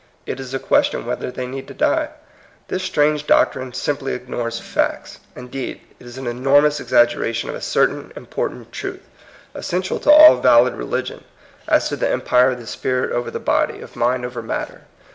It is a question whether they need to die. This strange doctrine simply ignores facts. Indeed, it is an enormous exaggera tion of a certain important truth, essential to all valid religion, as to the empire of 98 THE COMING PEOPLE. the spirit oyer the body, of mind oyer matter.